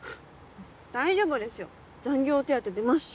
大丈夫ですよ残業手当出ますし。